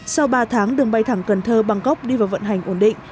sau ba tháng đường bay thẳng cần thơ bangkok đi vào vận hành ổn định